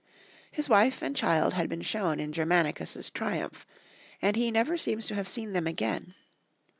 His wife and child had been shown in Germanicus* triumph, and he never seems to have seen them again.